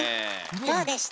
どうでした？